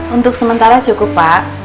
untuk sementara cukup pak